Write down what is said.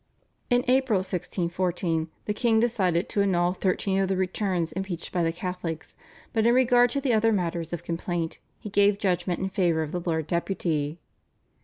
In April 1614 the king decided to annul thirteen of the returns impeached by the Catholics, but in regard to the other matters of complaint he gave judgment in favour of the Lord Deputy.